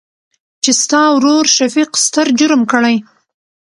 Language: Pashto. چې ستا ورورشفيق ستر جرم کړى.